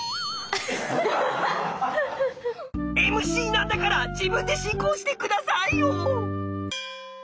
ＭＣなんだから自分で進行して下さいよ！